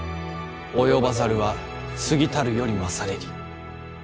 及ばざるは過ぎたるよりまされり。